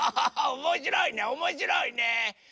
おもしろいねおもしろいね！